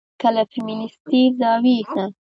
که له فيمنستي زاويې نه